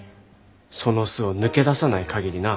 その巣を抜け出さないかぎりな。